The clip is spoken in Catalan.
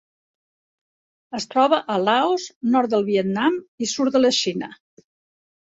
Es troba a Laos, nord del Vietnam i sud de la Xina.